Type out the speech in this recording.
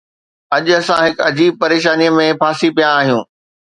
اڄ اسان هڪ عجيب پريشانيءَ ۾ ڦاسي پيا آهيون.